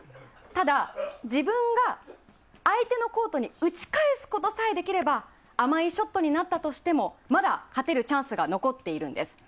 ただ、自分が相手のコートに打ち返すことさえできれば甘いショットになったとしてもまだ勝てるチャンスが残っているんです。